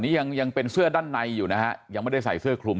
นี่ยังยังเป็นเสื้อด้านในอยู่นะฮะยังไม่ได้ใส่เสื้อคลุม